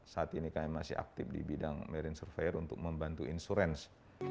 saat ini kami masih aktif di bidang marine surveyor untuk membantu insurance